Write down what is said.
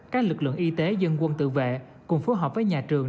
các lực lượng y tế dân quân tự vệ cùng phối hợp với nhà trường